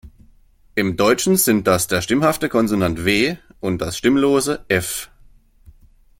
Im Deutschen sind das der stimmhafte Konsonant „w“ und das stimmlose „f“.